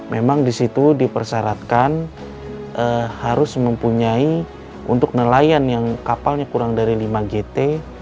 memang di situ dipersyaratkan harus mempunyai untuk nelayan yang kapalnya kurang dari lima gt